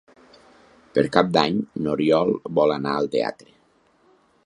Per Cap d'Any n'Oriol vol anar al teatre.